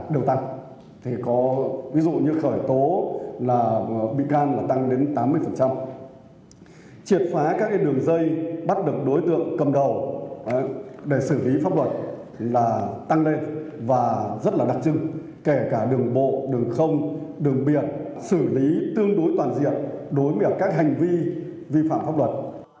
đường biệt xử lý tương đối toàn diện đối với các hành vi vi phạm pháp luật